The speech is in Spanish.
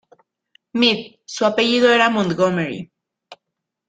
Meath, su apellido era Montgomery.